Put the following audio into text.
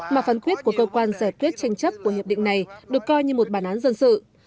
mà phán quyết của cơ quan giải quyết tranh chấp của hiệp định này được coi như một bản án dân sự